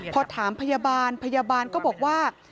พอถามพยาบาลพยาบาลก็บอกว่า